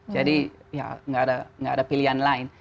jadi ya tidak ada pilihan lain